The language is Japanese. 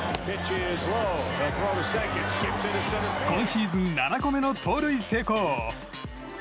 今シーズン７個目の盗塁成功。